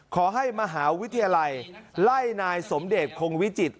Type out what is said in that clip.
ขอให้มหาวิทยาลัยไล่นายสมเดชคงวิจิตร